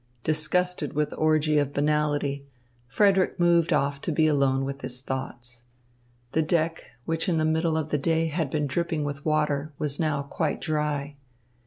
Disgusted with the orgy of banality, Frederick moved off to be alone with his thoughts. The deck, which in the middle of the day had been dripping with water, was now quite dry.